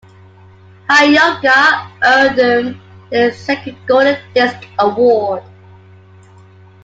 "Hayeoga" earned them their second Golden Disc Award.